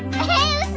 うそ！